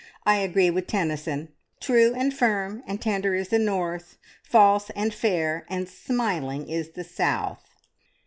I agree with Tennyson "`True, and firm, and tender is the North; False, and fair, and smiling is the South.'"